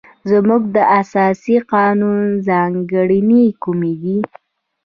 زموږ د اساسي قانون ځانګړنې کومې دي؟